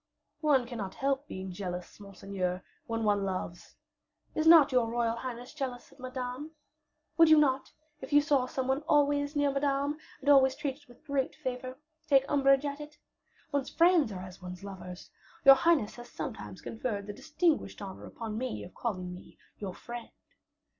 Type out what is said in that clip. "One cannot help being jealous, monseigneur, when one loves. Is not your royal highness jealous of Madame? Would you not, if you saw some one always near Madame, and always treated with great favor, take umbrage at it? One's friends are as one's lovers. Your highness has sometimes conferred the distinguished honor upon me of calling me your friend."